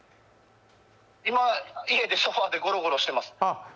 今、家でソファでゴロゴロしてます。